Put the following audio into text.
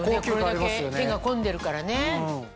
これだけ手が込んでるからね。